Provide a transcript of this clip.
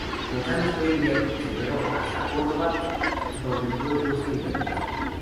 González fue enviado prisionero hasta Córdoba, donde fue puesto en libertad.